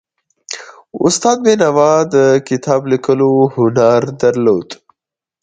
استاد بینوا د کتاب لیکلو هنر درلود.